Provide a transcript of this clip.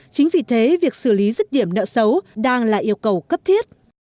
chính vì thế việc xử lý rứt điểm nợ xấu đang là yêu cầu cấp thiết